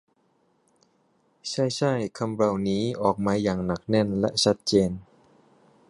ใช่ ใช่ คำเหล่านี้ออกมาอย่างหนักแน่นและชัดเจน